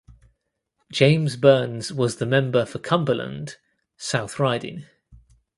James Byrnes was the member for Cumberland (South Riding).